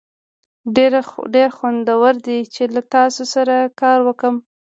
ډیر خوندور دی چې له تاسو سره کار وکړم.